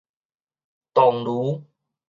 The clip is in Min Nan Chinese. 桐廬